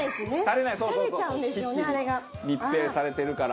密閉されてるから。